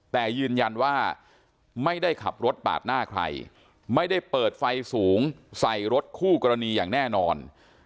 แต่ยืนยันว่าไม่ได้ขับรถปาดหน้าใครไม่ได้เปิดไฟสูงใส่รถคู่กรณีอย่างแน่นอน